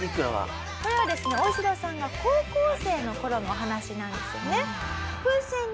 これはですね大城さんが高校生の頃のお話なんですよね。